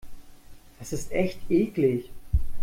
Das ist echt eklig.